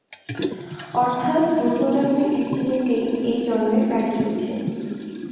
অর্থাৎ পূর্বজন্মের ইস্টিমেতেই এ জন্মের গাড়ি চলছে।